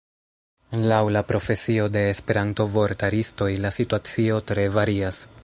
Laŭ la profesio de Esperanto-vortaristoj la situacio tre varias.